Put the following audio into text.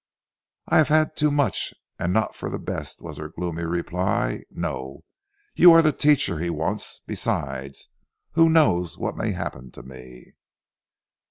"I have had too much and not for the best" was her gloomy reply, "no; you are the teacher he wants. Besides who knows what may happen to me?"